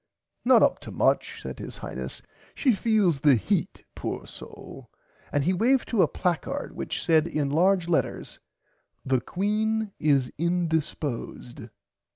Not up to much said his Highness she feels the heat poor soul and he waved to a placard which said in large letters The Queen is indisposed.